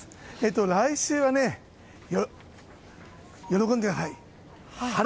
来週はね、喜んでください。